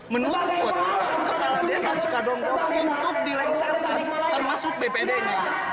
menuntut kepala desa sukadonggo untuk dilengsarkan termasuk bpd nya